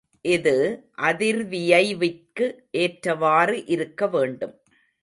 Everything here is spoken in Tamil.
இது அதிர்வியைவிற்கு ஏற்றவாறு இருக்க வேண்டும்.